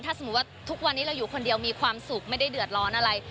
ถ้าสมมุติว่าทุกวันนี้เราอยู่คนเดียวมีความสุขไม่ได้เดือดร้อนอะไร